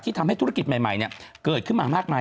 ทำให้ธุรกิจใหม่เกิดขึ้นมามากมาย